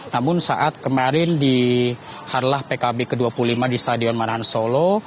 namun saat kemarin di harlah pkb ke dua puluh lima di stadion manahan solo